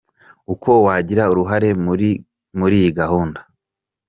Uko wagira uruhare muri iyi gahunda.